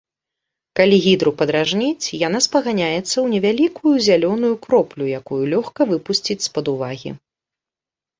Калі гідру падражніць, яна спаганяецца ў невялікую зялёную кроплю, якую лёгка выпусціць з-пад увагі.